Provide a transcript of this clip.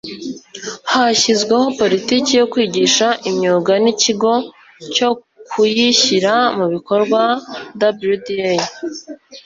hashyizweho politiki yo kwigisha imyuga n'ikigo cyo kuyishyira mu bikorwa ( wda